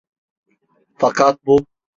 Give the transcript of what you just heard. Fakat bu…